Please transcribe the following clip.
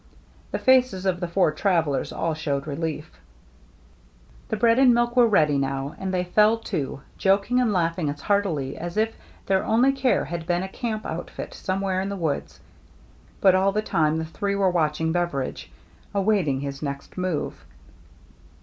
The faces of the four travellers all showed relief. The bread and milk were ready now, and they fell to, joking and laughing as heartily as if their only care had been a camp outfit some where in the woods ; but all the time the three were watching Beveridge, awaiting his next move.